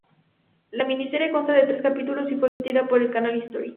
La miniserie consta de tres capítulos y fue emitida por el canal History.